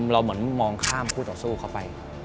เราเหมือนมองข้ามคู่ต่อสู้เข้าไป